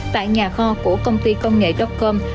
tại nhà kho của công ty công nghệ com